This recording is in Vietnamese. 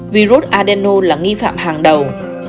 virus adeno là nghi phạm hàng đầu